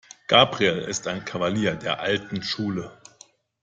Gabriel ist ein Kavalier der alten Schule.